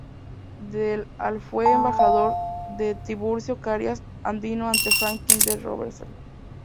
Del al fue embajador de Tiburcio Carías Andino ante Franklin D. Roosevelt.